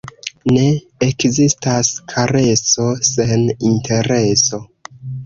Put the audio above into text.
Ne ekzistas kareso sen intereso.